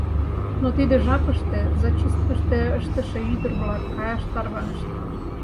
Но тиде жапыште зачисткыште ыштыше ӱдыр-влак каяш тарванышт.